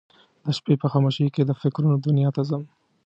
د شپې په خاموشۍ کې د فکرونه دنیا ته ځم